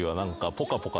ポカポカ？